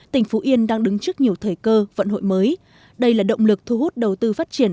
tỉnh phú yên đang đứng trước nhiều thời cơ vận hội mới đây là động lực thu hút đầu tư phát triển